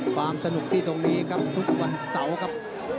ความสนุกที่ตรงนี้ครับทุกวันเสาร์ครับ